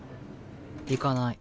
行かない。